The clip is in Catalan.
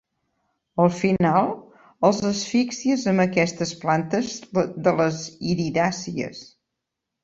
Al final, els asfíxies amb aquestes plantes de les iridàcies.